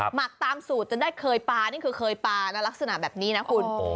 หมักตามสูตรจนได้เคยปลานี่คือเคยปลาลักษณะแบบนี้นะคุณ